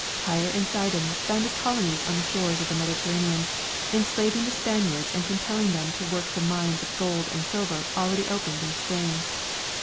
Tyre and Sidon founded colonies on the shores of the Mediter ranean, enslaving the S]3aniards and compelling them to work the mines of gold and silver already opened in Spain.